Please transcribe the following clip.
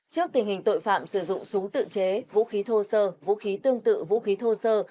trước tình hình tội phạm sử dụng súng tự chế vũ khí thô sơ vũ khí tương tự vũ khí thô sơ